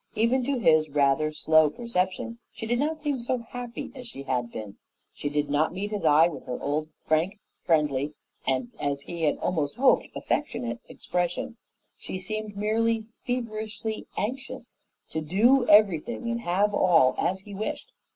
Even to his rather slow perception, she did not seem so happy as she had been. She did not meet his eye with her old frank, friendly, and as he had almost hoped, affectionate, expression; she seemed merely feverishly anxious to do everything and have all as he wished.